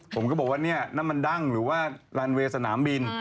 ผมก็บอกว่านักมันดั่งหรือว่าลานเวย์สนามบิน